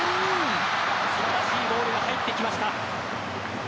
素晴らしいボールが入ってきました。